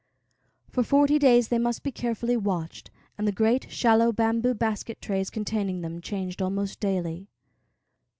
For forty days they must be carefully watched, and the great, shallow, bamboo basket trays containing them changed almost daily.